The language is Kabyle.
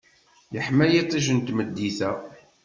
Yeḥma yiṭij n tmeddit-a.